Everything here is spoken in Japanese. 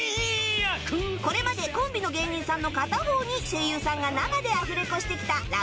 これまでコンビの芸人さんの片方に声優さんが生でアフレコしてきたラフレコ